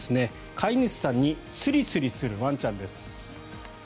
飼い主さんにスリスリするワンちゃんです。